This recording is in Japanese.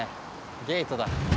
ゲートだ。